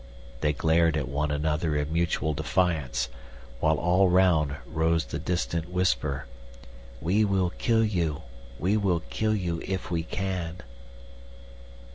They glared at each other in mutual defiance, while all round rose the distant whisper, "We will kill you we will kill you if we can."